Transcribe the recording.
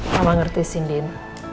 mama ngerti sih din